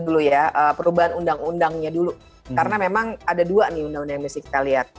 dulu ya perubahan undang undangnya dulu karena memang ada dua nih undang undang yang mesti kita lihat